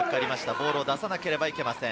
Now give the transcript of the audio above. ボールを出さなければいけません。